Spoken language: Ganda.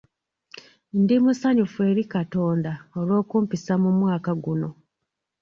Ndi musanyufu eri Katonda olw'okumpisa mu mwaka guno.